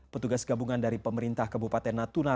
petugas gabungan dari pemerintah kabupaten natuna